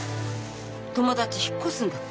友達引っ越すんだって。